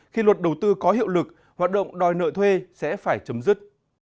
khi luật đầu tư có hiệu lực hoạt động đòi nợ thuê sẽ phải chấm dứt